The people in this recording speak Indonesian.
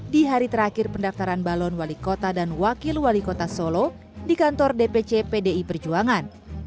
di hari terakhir pendaftaran balon wali kota dan wakil wali kota solo di kantor dpc pdi perjuangan